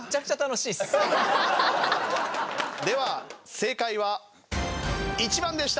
では正解は１番でした。